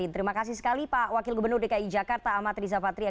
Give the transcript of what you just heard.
terima kasih sekali pak wakil gubernur dki jakarta amat riza patria